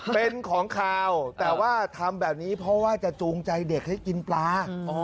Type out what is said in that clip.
เป็นของขาวแต่ว่าทำแบบนี้เพราะว่าจะจูงใจเด็กให้กินปลา